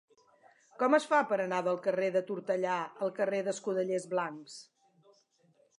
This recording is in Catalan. Com es fa per anar del carrer de Tortellà al carrer d'Escudellers Blancs?